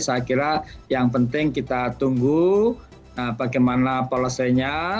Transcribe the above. saya kira yang penting kita tunggu bagaimana polosinya